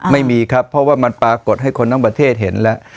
ไม่มีครับเพราะว่ามันปรากฏให้คนทั้งประเทศเห็นแล้ว